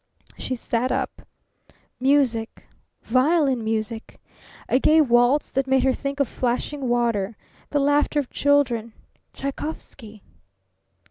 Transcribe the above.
She sat up. Music violin music! A gay waltz that made her think of flashing water, the laughter of children. Tschaikowsky.